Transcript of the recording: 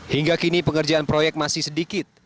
hingga kini pengerjaan proyek masih sedikit